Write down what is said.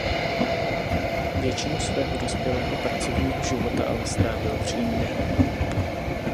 Většinu svého dospělého pracovního života ale strávil v Římě.